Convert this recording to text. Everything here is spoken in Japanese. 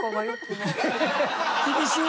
厳しい。